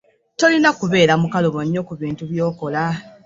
Tolina kubeera mukalubo nnyo ku bintu by'okola.